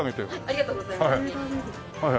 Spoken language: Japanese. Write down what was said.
ありがとうございます。